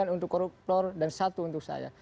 sembilan sepuluh sembilan untuk koruptor dan satu untuk saya